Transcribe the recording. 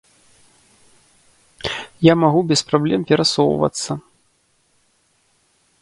Я магу без праблем перасоўвацца.